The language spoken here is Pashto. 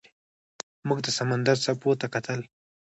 موږ د سمندر څپو ته کتل.